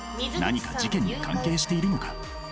何か事件に関係しているのか？